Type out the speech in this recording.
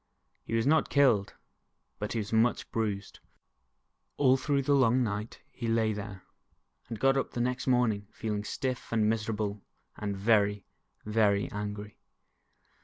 He was not killed, but he was much bruised. All 250 The Mouse's Revenge. through the long night he lay there, and got up the next morning, feeling stiff and miserable, and very, very angry.